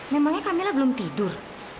memangnya kamila belum tidur